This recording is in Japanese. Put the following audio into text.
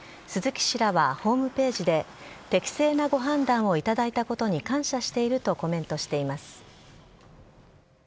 鈴木氏らはホームページで適正なご判断をいただいたことに感謝しているとコメントしています。